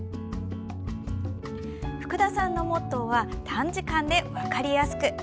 福田さんのモットーは短時間で分かりやすく。